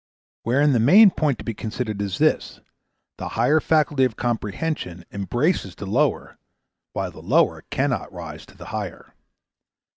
Wherein the main point to be considered is this: the higher faculty of comprehension embraces the lower, while the lower cannot rise to the higher.